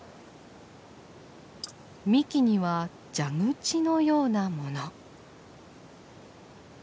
幹には蛇口のようなもの。